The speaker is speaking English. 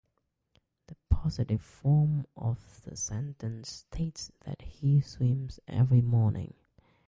The positive form of the sentence states that he swims every morning.